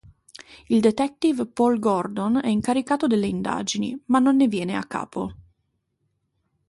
Il detective Paul Gordon è incaricato delle indagini, ma non ne viene a capo.